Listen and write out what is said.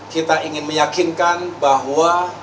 kita ingin meyakinkan bahwa